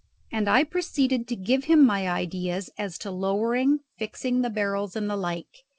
And I proceeded to give him my ideas as to lowering, fixing the barrels, and the like.